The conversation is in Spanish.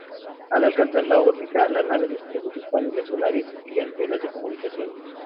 Al alcanzar la órbita, la nave desplegó sus paneles solares y antenas de comunicación.